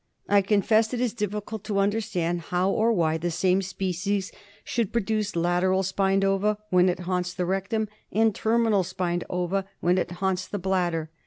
I confess it is difficult to understand how or why the same species should produce lateral spined ova when it haunts the rectum, and terminal spined ova when it haunts the bladder.